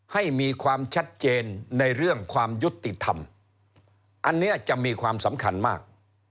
ให้มีความชัดเจนในเรื่องความยุติธรรมอันนี้จะมีความสำคัญมาก